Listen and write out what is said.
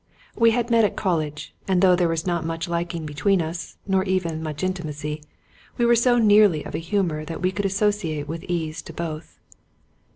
We had met at college; and though there was not much liking between us, nor even much intimacy, we were so nearly of a humor that we could associate with ease to both.